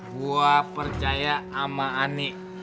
gua percaya ama ani